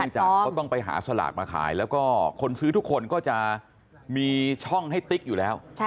จากเขาต้องไปหาสลากมาขายแล้วก็คนซื้อทุกคนก็จะมีช่องให้ติ๊กอยู่แล้ว